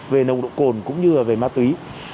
về nồng độ cồn cũng như về ma túy